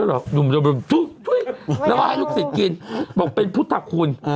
แล้วเขาก็ให้ลูกสุดกินเบาเป็นพุทหกุล